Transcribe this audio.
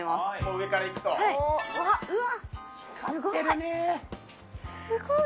すごい。